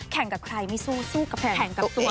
แข่งกับใครไม่สู้สู้กับแข่งตัวเอง